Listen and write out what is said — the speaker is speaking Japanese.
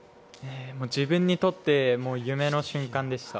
自分にとって夢の瞬間でした。